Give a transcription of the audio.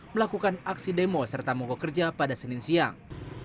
melakukan aksi demo serta mogok kerja pada senin siang